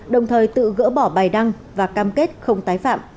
đồng thời tự gỡ bỏ bài đăng và cam kết không tái phạm